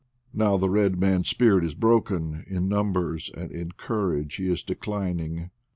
Now the red man's spirit is broken; in numbers and in courage he is declining.